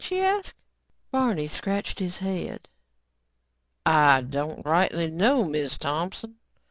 she asked. Barney scratched his head. "I don't rightly know, Miz Thompson.